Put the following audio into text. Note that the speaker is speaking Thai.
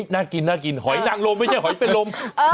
น่ากินน่ากินหอยนางลมไม่ใช่หอยเป็นลม